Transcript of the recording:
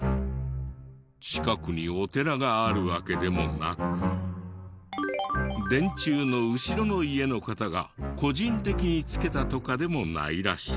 近くにお寺があるわけでもなく電柱の後ろの家の方が個人的に付けたとかでもないらしい。